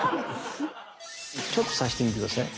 ちょっと刺してみて下さい。